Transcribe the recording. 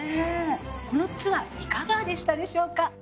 このツアーいかがでしたでしょうか。